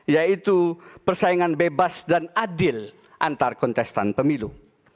yaitu persaingan bebas dan adil antar kontestan pemilu